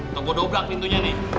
atau gue dobrak pintunya nih